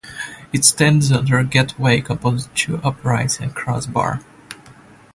It stands under a gateway composed of two uprights and a crossbar.